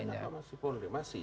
mereka kan masih polri masih